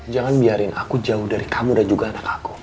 jangan biarin aku jauh dari kamu dan juga anak aku